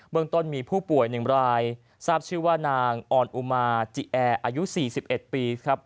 เมืองต้นมีผู้ป่วยหนึ่งรายทราบชื่อว่านางออนอุมาจิแอร์อายุสี่สิบเอ็ดปีครับ